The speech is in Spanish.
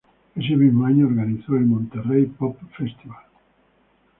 Ese mismo año organizó el Monterey Pop Festival.